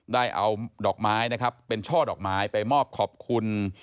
ได้เอาดอกไม้นะครับเป็นช่อดอกไม้ไปมอบขอบคุณ